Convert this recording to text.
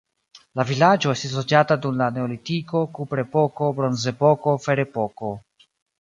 La vilaĝo estis loĝata dum la neolitiko, kuprepoko, bronzepoko, ferepoko.